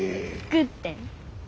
作ってん。